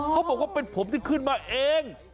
เขาบอกว่าเป็นผมที่ขึ้นมาเอง